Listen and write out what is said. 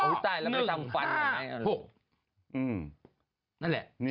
นั้นแหละ